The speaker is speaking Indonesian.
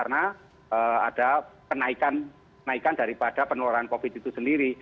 karena ada kenaikan daripada peneloran covid itu sendiri